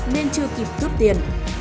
nên chưa kịp cướp tiền